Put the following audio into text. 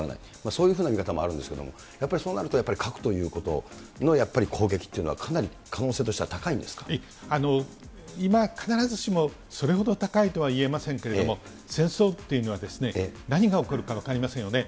そういうふうな見方もあるんですけれども、やっぱり、そうなると核ということの、やっぱり攻撃というのは、かなり今、必ずしもそれほど高いとは言えませんけれども、戦争というのは、何が起こるか分かりませんよね。